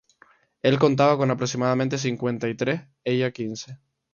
Él contaba con aproximadamente cincuenta y tres; ella, quince.